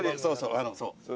そうそう。